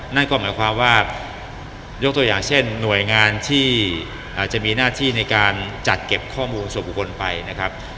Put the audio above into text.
นั่นก็หมายความว่ายกตัวอย่างเช่นหน่วยงานที่อาจจะมีหน้าที่ในการจัดเก็บข้อมูลส่วนบุคคลไปนะครับ